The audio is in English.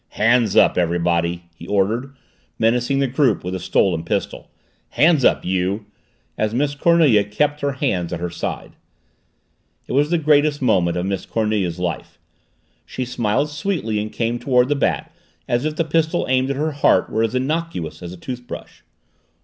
"Hands up, everybody!" he ordered, menacing the group with the stolen pistol. "Hands up you!" as Miss Cornelia kept her hands at her sides. It was the greatest moment of Miss Cornelia's life. She smiled sweetly and came toward the Bat as if the pistol aimed at her heart were as innocuous as a toothbrush.